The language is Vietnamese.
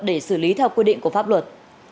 để xử lý theo quy định của pháp luật